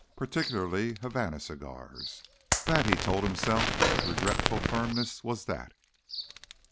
Particularly Havana cigars. That, he told himself with regretful firmness, was that.